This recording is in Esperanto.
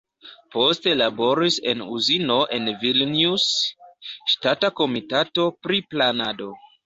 Poste laboris en uzino en Vilnius, ŝtata komitato pri planado.